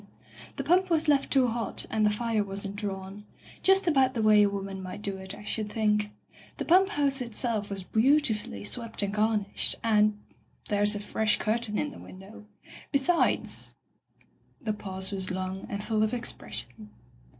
The Digitized by LjOOQ IC By the Sawyer Method pump was left too hot, and the fire wasn't drawn. Just about the way a woman might do it, I should think. The pump house itself was beautifully swept and garnished, and — there's a fresh curtain in the window. Be sides The pause was long and full of expression.